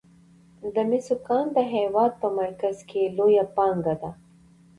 د مسو کان د هیواد په مرکز کې لویه پانګه ده.